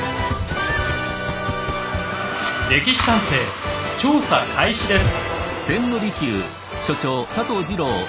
「歴史探偵」調査開始です！